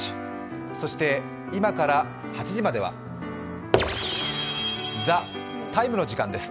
そして、今から８時までは「ＴＨＥＴＩＭＥ，」の時間です。